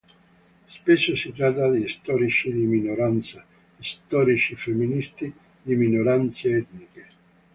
Spesso si tratta di storici di "minoranza": storici femministi, di minoranze etniche.